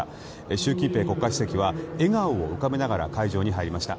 習近平国家主席は笑顔を浮かべながら会場に入りました。